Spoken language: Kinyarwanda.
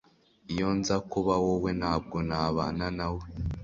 Iyo nza kuba wowe, ntabwo nabana na we.